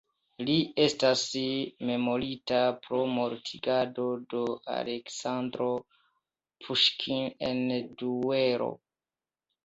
Li estas memorita pro mortigado de Aleksandro Puŝkin en duelo.